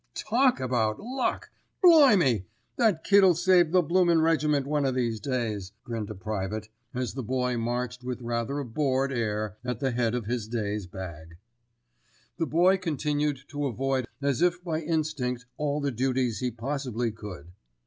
"Talk about luck! Blimey! That Kid'll save the bloomin' regiment one o' these days," grinned a private, as the boy marched with rather a bored air at the head of his day's bag. The Boy continued to avoid as if by instinct all the duties he possibly could.